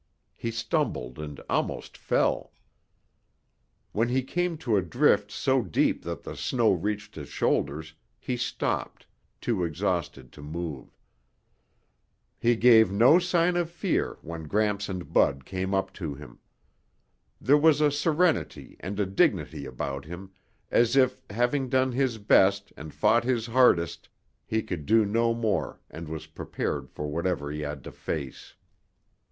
He stumbled and almost fell. When he came to a drift so deep that the snow reached his shoulders, he stopped, too exhausted to move. He gave no sign of fear when Gramps and Bud came up to him. There was a serenity and a dignity about him, as if, having done his best and fought his hardest, he could do no more and was prepared for whatever he had to face.